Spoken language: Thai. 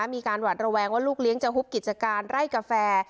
หวัดระแวงว่าลูกเลี้ยงจะฮุบกิจการไร่กาแฟ